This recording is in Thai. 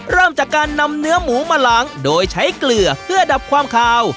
เริ่มจากการนำเนื้อหมูมาล้างโดยใช้เกลือเพื่อดับความคาว